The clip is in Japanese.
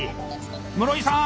「室井さん